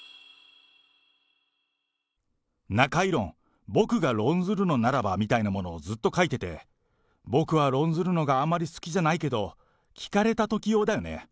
中居論、僕が論ずるのならばみたいなものをずっと書いてて、僕は論ずるのがあんまり好きじゃないけど、聞かれたとき用だよね。